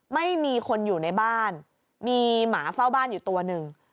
ไม่มีคนอยู่ในบ้านมีหมาเฝ้าบ้านอยู่ตัวหนึ่ง